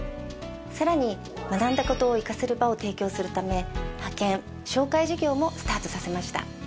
さらに学んだ事を生かせる場を提供するため派遣紹介事業もスタートさせました。